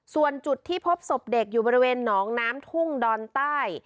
ส่วนจุดที่พบศพเด็กอยู่บริเวณหนองน้ำทุ่งดอนใต้